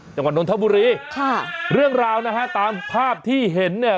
จังหวัดนทบุรีค่ะเรื่องราวนะฮะตามภาพที่เห็นเนี่ย